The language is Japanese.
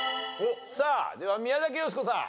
さあでは宮崎美子さん。